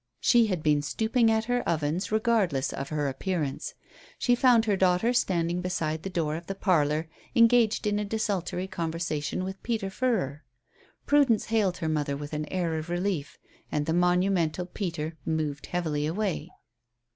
She had been stooping at her ovens regardless of her appearance. She found her daughter standing beside the door of the parlour engaged in a desultory conversation with Peter Furrer. Prudence hailed her mother with an air of relief, and the monumental Peter moved heavily away.